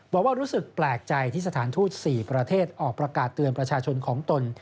บอกว่ารู้สึกแปลกใจที่สถานทูต๔ประเทศออกประกาศเตือนประชาชนของตน